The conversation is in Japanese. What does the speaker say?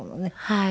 はい。